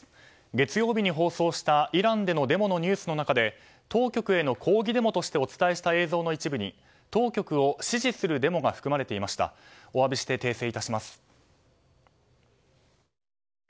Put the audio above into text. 月曜日に放送したイランでのデモのニュースの中で当局への抗議デモとしてお伝えした映像の一部に脂肪を分解するとか吸収を抑えるとかのその先へ！